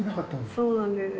そうなんですよ。